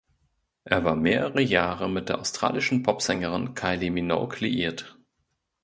Er war mehrere Jahre mit der australischen Popsängerin Kylie Minogue liiert.